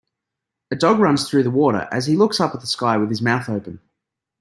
A dog runs through the water as he looks up at the sky with his mouth open.